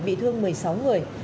bị thương một mươi sáu người